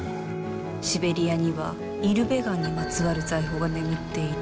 シベリアにはイルベガンにまつわる財宝が眠っている。